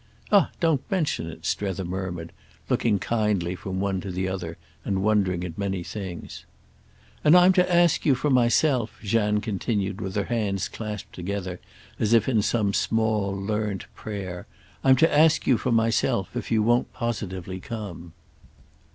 "Ah don't mention it!" Strether murmured, looking kindly from one to the other and wondering at many things. "And I'm to ask you for myself," Jeanne continued with her hands clasped together as if in some small learnt prayer—"I'm to ask you for myself if you won't positively come."